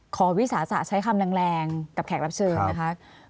วิสาสะใช้คำแรงกับแขกรับเชิญนะคะ